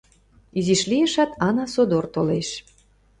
Изиш лиешат, Ана содор толеш.